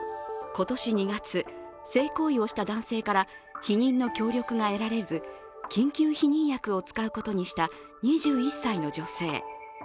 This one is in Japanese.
今年２月、性行為をした男性から避妊の協力が得られず緊急避妊薬を使うことにした２１歳の女性。